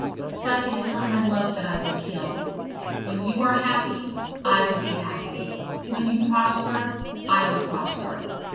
But it is not my love that I will kill. When you are happy I will be happy. When you prosper I will prosper.